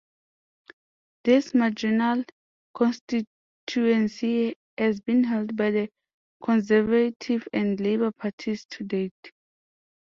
This marginal constituency has been held by the Conservative and Labour parties to date.